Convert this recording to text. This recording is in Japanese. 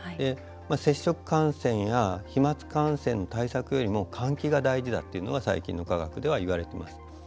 接触感染や飛まつ感染の対策よりも換気が大事だというのが最近の科学では言われています。